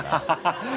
ハハハハ！